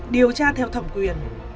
điều tra theo thẩm quyền